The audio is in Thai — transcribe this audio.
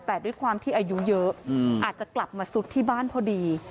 แต่ด้วยความที่อายุเยอะอาจจะกลับมาซุดที่บ้านพอดี